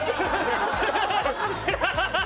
ハハハハ！